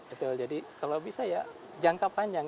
betul jadi kalau bisa ya jangka panjang